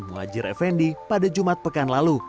mengajir fnd pada jumat pekan lalu